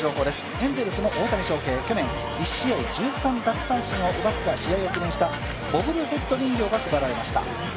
エンゼルスの大谷翔平、去年、１試合１３奪三振を奪った試合を記念したボブルヘッド人形が配られました。